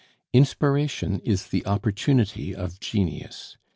Inspiration is the opportunity of genius.